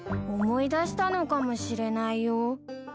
思い出したのかもしれないよ。